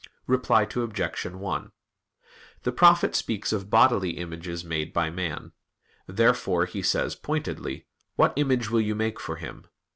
Reply Obj. 1: The Prophet speaks of bodily images made by man. Therefore he says pointedly: "What image will you make for Him?"